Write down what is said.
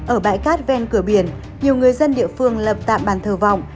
ở bãi cát ven cửa biển nhiều người dân địa phương lập tạm bàn thờ vọng